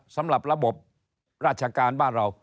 สำหรับระบบราชการบ้านเรา